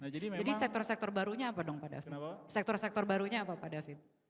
jadi sektor sektor barunya apa pak david